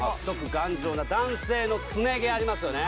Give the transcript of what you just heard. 頑丈な男性のすね毛ありますよね・